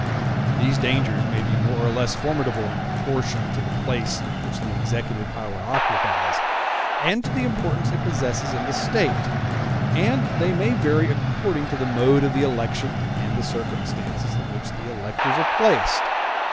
These dangers may be more or less formidable in proportion to the place which the executive power occupies, and to the importance it possesses in the State; and they may vary according to the mode of election and the circumstances in which the electors are placed.